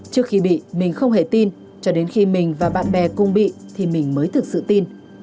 trước khi bị mình không hề tin cho đến khi mình và bạn bè cùng bị thì mình mới thực sự tin